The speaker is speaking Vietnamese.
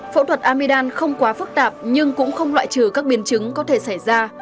phẫu thuật amidam không quá phức tạp nhưng cũng không loại trừ các biến chứng có thể xảy ra